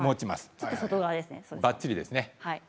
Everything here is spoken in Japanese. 皆さんばっちりですね。